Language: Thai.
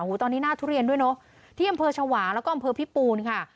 ตอนนี้หน้าทุเรียนด้วยเนอะที่อำเภอชวางแล้วก็อำเภอพิปูนค่ะ